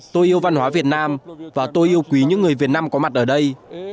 tôi yêu văn hóa việt nam và tôi yêu quý những người việt nam có mặt ở đây